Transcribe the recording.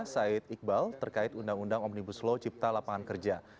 said iqbal terkait undang undang omnibus law cipta lapangan kerja